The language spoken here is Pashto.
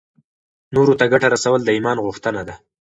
نورو ته ګټه رسول د ایمان غوښتنه ده.